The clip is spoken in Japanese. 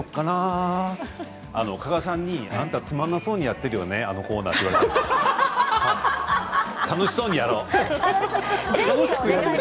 加賀さんにあなたつまらなそうにやっているよねあのコーナーって言われました。